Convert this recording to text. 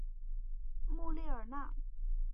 穆列尔讷。